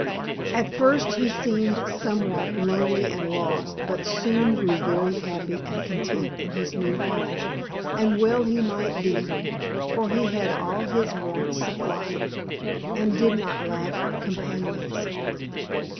At first he seemed somewhat lonely and lost, but soon grew very happy and content in his new home; and well he might be, for he had all his wants supplied, and did not lack companions.